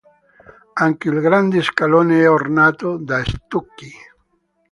Anche il grande scalone è ornato da stucchi.